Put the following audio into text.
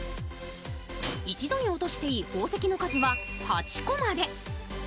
一度に落としていい宝石の数は８個まで。